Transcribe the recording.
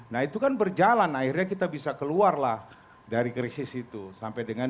nah itu kan berjalan akhirnya kita bisa keluar lah dari krisis itu sampai dengan